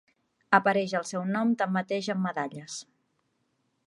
Apareix el seu nom tanmateix en medalles.